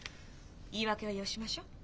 言い訳はよしましょう。